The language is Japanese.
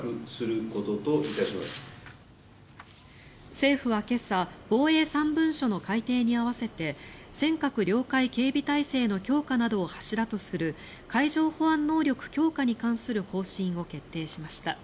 政府は今朝防衛３文書の改定に合わせて尖閣領海警備体制の強化などを柱とする海上保安能力強化に関する方針を決定しました。